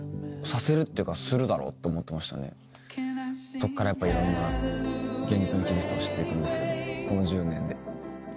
そこからやっぱいろんな現実の厳しさを知っていくんですけどこの１０年で。